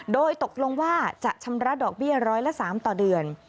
โดยตกลงว่าจะชำระดอกเบี้ยร้อยละ๓ต่อเดือน